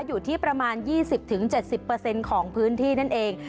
อยู่ที่ประมาณ๒๐๗๐ของพื้นที่นั่นเอง